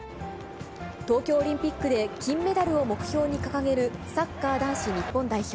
東京オリンピックで金メダルを目標に掲げる、サッカー男子日本代表。